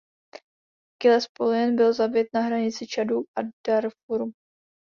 Gilles Polin byl zabit na hranici Čadu a Darfuru.